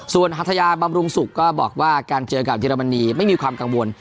ส่วนฮัทยาบำรุงศุกร์ก็บอกว่าการเจอกับเยอรมนีไม่มีความกังวล